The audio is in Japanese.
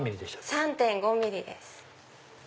３．５ｍｍです。